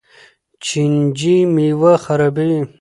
چینجي میوه خرابوي.